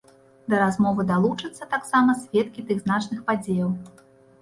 Да размовы далучацца таксама сведкі тых значных падзеяў.